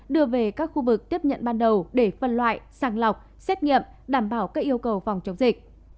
đưa về các khu vực tiếp nhận ban đầu để phân loại sàng lọc xét nghiệm đảm bảo các yêu cầu phòng chống dịch